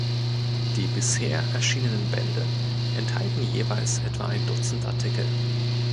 Die bisher erschienen Bände enthalten jeweils etwa ein Dutzend Artikel.